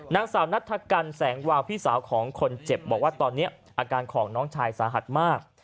นางสาวนัฐกันแสงวาวพี่สาวของคนเจ็บบอกว่าตอนนี้อาการของน้องชายสาหัสมาก